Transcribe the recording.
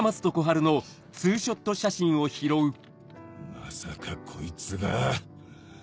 まさかこいつが。